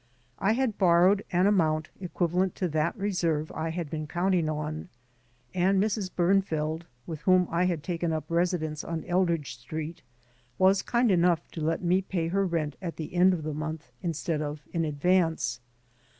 I had borrowed an amount equivalent to that reserve I had been counting on, and Mrs. Bemfeld, with whom I had taken up residence on Eldridge Street, was kind enough to let me pay her rent at the end of the month instead of in advance.